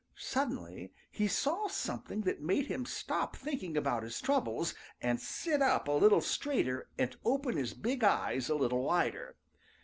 Suddenly he saw something that made him stop thinking about his troubles and sit up a little straighter and open his big eyes a little wider.